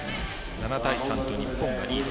７対３と日本がリード。